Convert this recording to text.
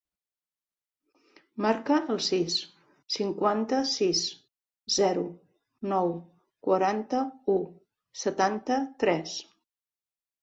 Marca el sis, cinquanta-sis, zero, nou, quaranta-u, setanta-tres.